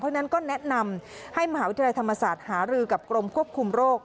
เพราะฉะนั้นก็แนะนำให้มหาวิทยาลัยธรรมศาสตร์หารือกับกรมควบคุมโรค